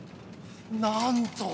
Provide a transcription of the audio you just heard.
なんと！